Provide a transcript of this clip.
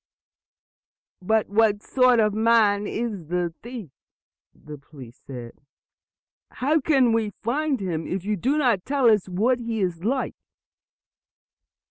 "But what sort of a man is the thief?" the police asked. "How can we find him, if you do not tell us what he is like?"